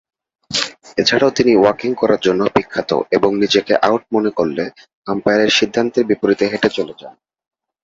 এছাড়াও তিনি ওয়াকিং করার জন্য বিখ্যাত এবং নিজেকে আউট মনে করলে আম্পায়ারের সিদ্ধান্তের বিপরীতে হেটে চলে যান।